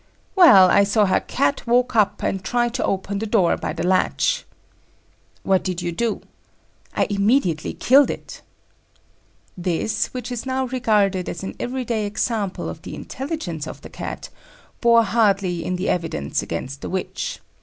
"Well! I saw her Cat walk up and try to open the door by the latch." "What did you do?" "I immediately killed it." This, which is now regarded as an everyday example of the intelligence of the Cat, bore hardly in the evidence against the witch.